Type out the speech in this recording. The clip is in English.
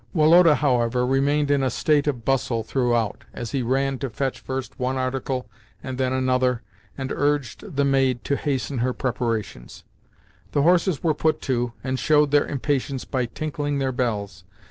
Woloda, however, remained in a state of bustle throughout as he ran to fetch first one article and then another and urged the maid to hasten her preparations. The horses were put to, and showed their impatience by tinkling their bells.